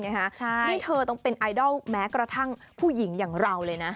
นี่เธอต้องเป็นไอดอลแม้กระทั่งผู้หญิงอย่างเราเลยนะ